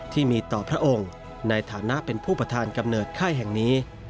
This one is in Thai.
ที่มีต่อพระองค์ในฐานะเป็นผู้ประธานกำเนิดค่ายแห่งนี้